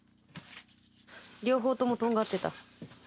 両方ともとんがってた。